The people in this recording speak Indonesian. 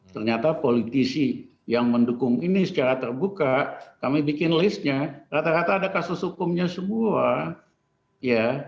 ternyata politisi yang mendukung ini secara terbuka kami bikin listnya rata rata ada kasus hukumnya semua ya